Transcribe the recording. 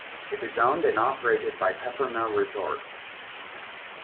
It is owned and operated by Peppermill Resorts.